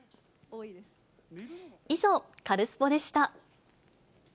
以上、カルスポっ！でした。